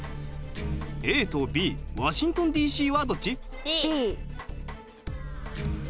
ＡとＢワシントンＤ．Ｃ．はどっち？